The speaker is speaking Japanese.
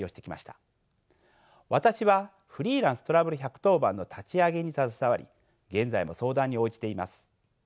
私はフリーランス・トラブル１１０番の立ち上げに携わり現在も相談に応じています。